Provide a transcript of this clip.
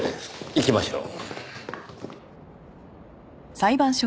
行きましょう。